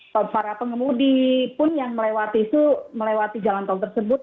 tapi pun yang melewati itu melewati jalan tol tersebut